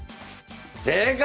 正解！